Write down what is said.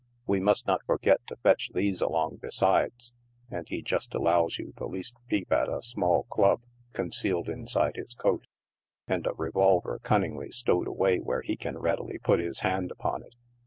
We must not forget to fetch these along besides," and he just allows you the least peep at a small club concealed inside his coat, and a revolver cunningly stowed away whore he can readily put his band upon it.